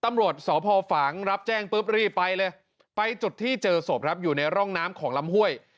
ตำรวจสพฝางรับแจ้งปุ๊บรีบไปเลยไปจุดที่เจอศพครับอยู่ในร่องน้ำของลำห้วย